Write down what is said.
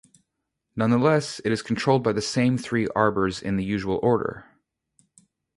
Nonetheless it is controlled by the same three arbors in the usual order.